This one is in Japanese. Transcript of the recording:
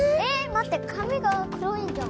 待って髪が黒いじゃん。